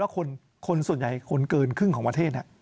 คนส่วนใหญ่คนเกินครึ่งของประเทศ